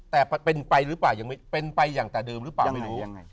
แต่เป็นไปหรือเปล่ายังเป็นไปอย่างแต่เดิมหรือเปล่าไม่รู้